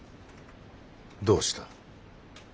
どうした。